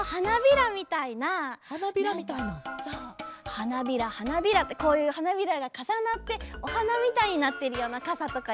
はなびらはなびらってこういうはなびらがかさなっておはなみたいになってるようなかさとかいいかな。